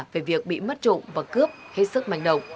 về việc bị mất trộm